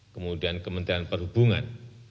kemudian kementerian perhubungan